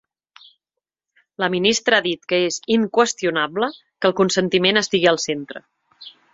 La ministra ha dit que és “inqüestionable” que el consentiment estigui al centre.